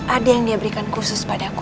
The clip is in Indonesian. ada yang dia berikan khusus padaku